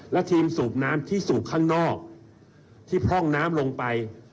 และทีมสูบน้ำที่สูบข้างนอกที่พร่องน้ำลงไป